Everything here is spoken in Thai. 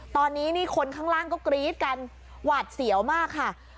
ตอนนี้นี่คนข้างล่างก็กรี๊ดกันหวาดเสียวมากค่ะ